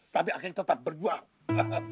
tapi aku tetap berjuang